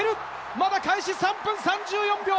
まだ開始３分３４秒。